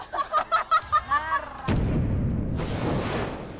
น่ารัก